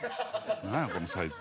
何やこのサイズ。